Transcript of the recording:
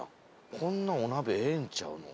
こんなお鍋ええんちゃうの？